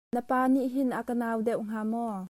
Napa nih hin a ka nau deuh hnga maw?